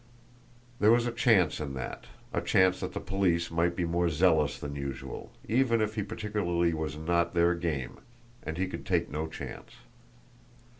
There was a chance in that, a chance that the police might be more zealous than usual, even if he particularly was not their game and he could take no chance.